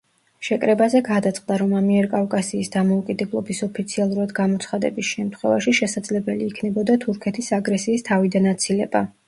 შეკრებაზე გადაწყდა, რომ ამიერკავკასიის დამოუკიდებლობის ოფიციალურად გამოცხადების შემთხვევაში შესაძლებელი იქნებოდა თურქეთის აგრესიის თავიდან აცილება.